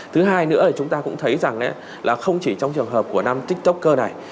thứ hai nữa là chúng ta cũng thấy rằng là không chỉ trong trường hợp của năm tích tố cơ này